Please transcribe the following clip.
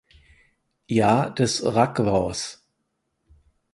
Jahr des Rak Wars.